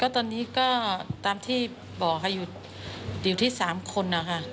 ตอนนี้ก็ตามที่บอกอยู่ที่๓คน